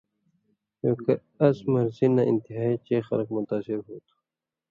چوںکہ اس مرضی نہ انتہائی چے خلکہ متاثر ہُو تھو